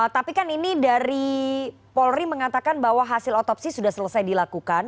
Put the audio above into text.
tapi kan ini dari polri mengatakan bahwa hasil otopsi sudah selesai dilakukan